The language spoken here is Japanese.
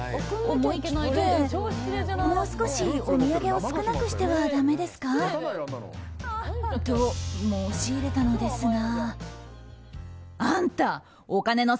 思い切ってもう少しお土産を少なくしてはだめですか？と申し入れたのですが。